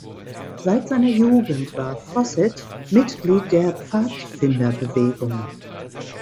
Seit seiner Jugend war Fossett Mitglied der Pfadfinderbewegung.